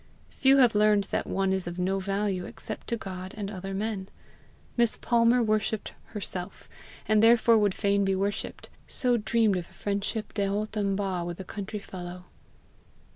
Few have learned that one is of no value except to God and other men. Miss Palmer worshipped herself, and therefore would fain be worshipped so dreamed of a friendship de haut en bas with the country fellow.